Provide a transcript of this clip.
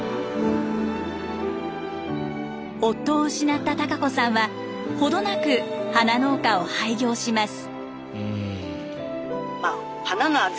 夫を失った孝子さんは程なく花農家を廃業します。